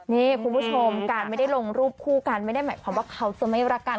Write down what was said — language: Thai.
นี่คุณผู้ชมการไม่ได้ลงรูปคู่กันไม่ได้หมายความว่าเขาจะไม่รักกัน